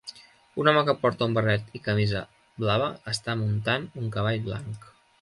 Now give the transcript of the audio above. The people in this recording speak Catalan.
Un home que porta un barret i camisa blava està muntant un cavall blanc.